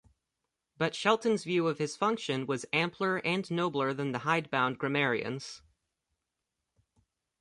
But Shelton's view of his function was ampler and nobler than the hidebound grammarian's.